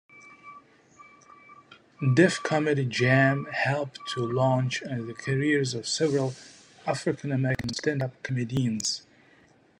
"Def Comedy Jam" helped to launch the careers of several African-American stand-up comedians.